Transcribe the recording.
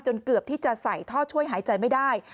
เกือบที่จะใส่ท่อช่วยหายใจไม่ได้